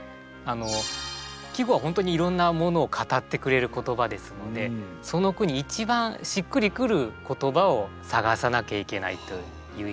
季語は本当にいろんなものを語ってくれる言葉ですのでその句に一番しっくりくる言葉を探さなきゃいけないという意味で。